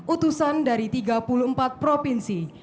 utusan dari tiga puluh empat provinsi